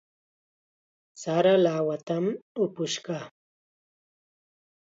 Sara lawatam upush kaa.